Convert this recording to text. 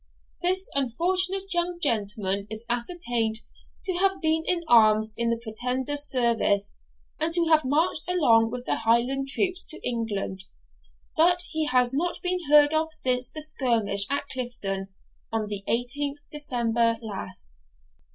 This unfortunate young gentleman is ascertained to have been in arms in the Pretender's service, and to have marched along with the Highland troops into England. But he has not been heard of since the skirmish at Clifton, on the 18th December last.'